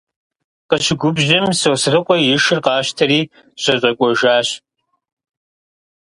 Къыщыхуэгубжьым, Сосрыкъуэ и шыр къащтэри зэщӏэкӏуэжащ.